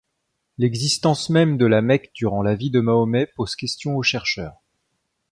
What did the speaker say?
L'existence même de la Mecque durant la vie de Mahomet pose question aux chercheurs.